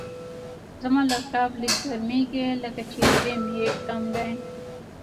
زما لپټاپ لږ ګرمېږي، لکه چې ریم یې کم دی.